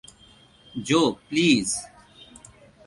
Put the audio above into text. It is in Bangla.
জো, প্লিজ।